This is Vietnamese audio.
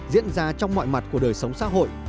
diễn ra trong mọi mặt của đời sống xã hội